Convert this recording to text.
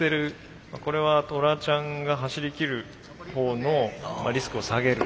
これはトラちゃんが走りきるほうのリスクを下げる。